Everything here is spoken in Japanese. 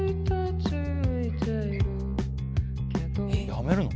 辞めるの？